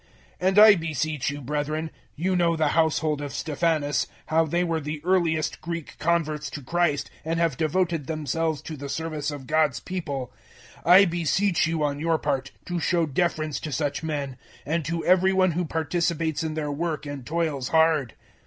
016:015 And I beseech you, brethren you know the household of Stephanas, how they were the earliest Greek converts to Christ, and have devoted themselves to the service of God's people 016:016 I beseech you, on your part, to show deference to such men, and to every one who participates in their work and toils hard.